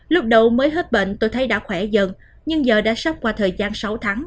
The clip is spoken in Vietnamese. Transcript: lúc đầu mới hết bệnh tôi thấy đã khỏe dần nhưng giờ đã sốc qua thời gian sáu tháng